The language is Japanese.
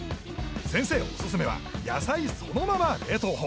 先生おすすめは野菜そのまま冷凍法